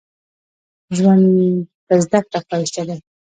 ژوند په زده کړه ښايسته دې